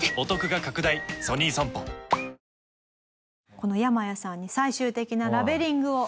このヤマヤさんに最終的なラベリングを。